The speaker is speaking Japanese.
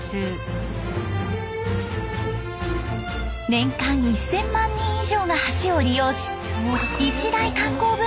年間１，０００万人以上が橋を利用し一大観光ブームが巻き起こります。